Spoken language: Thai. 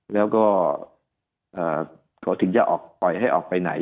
แล้วก็กดถึงจะปล่อยให้ออกไปไหน